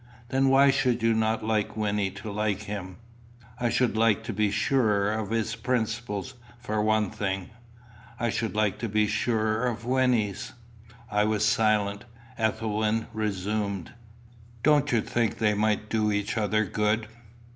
"Then why should you not like Wynnie to like him?" "I should like to be surer of his principles, for one thing." "I should like to be surer of Wynnie's." I was silent. Ethelwyn resumed. "Don't you think they might do each other good?"